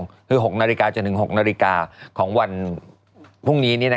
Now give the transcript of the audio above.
คือ๖นาฬิกาจนถึง๖นาฬิกาของวันพรุ่งนี้